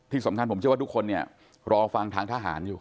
ที่สำคัญผมเชื่อว่าทุกคนเนี่ยรอฟังทางทหารอยู่